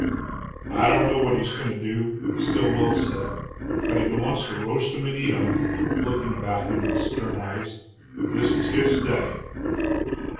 "I don't know what he's goin' to do," Stilwell said, "but if he wants to roast 'em and eat 'em" looking about him with stern eyes "this is his day."